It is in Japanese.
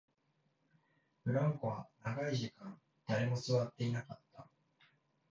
ブランコは長い時間、誰も座っていなかった